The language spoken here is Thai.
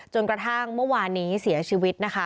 จนกระทั่งเมื่อวานนี้เสียชีวิตนะคะ